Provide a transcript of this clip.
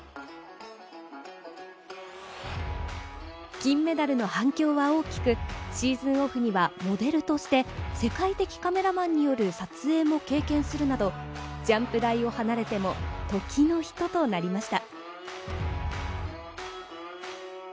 金メダルの反響は大きく、シーズンオフにはモデルとして世界的カメラマンによる撮影も経験するなど、ジャンプ台を離れても時の人となりました。